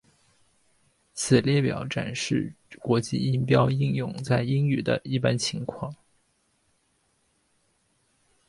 此列表展示国际音标应用在英语的一般情况。